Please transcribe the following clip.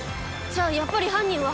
じゃあやっぱり犯人は。